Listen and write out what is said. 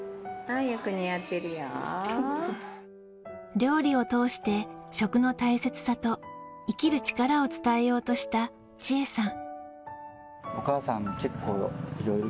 料理を通して食の大切さと生きる力を伝えようとした千恵さん。